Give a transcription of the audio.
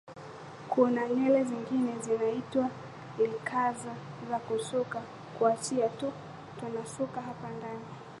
kuna nywele zingine zinaitwa lizaka za kusuka na kuaachia tu tunasuka hapa ndani